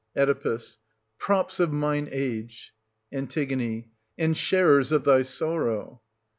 Oe. Props of mine age ! An. And sharers of thy sorrow.